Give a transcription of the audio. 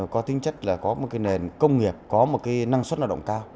có tính chất là có một nền công nghiệp có một cái năng suất lao động cao